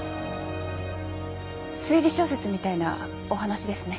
推理小説みたいなお話ですね。